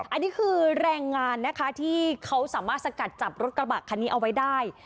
อันนี้คือแรงงานนะคะที่เขาสามารถสกัดจับรถกระบะคันนี้เอาไว้ได้